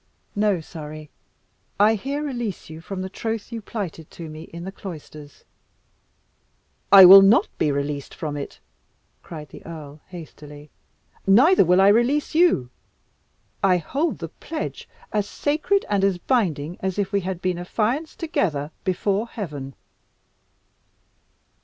No, Surrey, I here release you from the troth you plighted to me in the cloisters." "I will not be released from it!" cried the earl hastily; "neither will I release you. I hold the pledge as sacred and as binding as if we had been affianced together before Heaven."